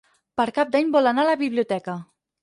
Per Cap d'Any vol anar a la biblioteca.